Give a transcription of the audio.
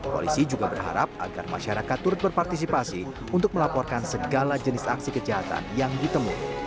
polisi juga berharap agar masyarakat turut berpartisipasi untuk melaporkan segala jenis aksi kejahatan yang ditemui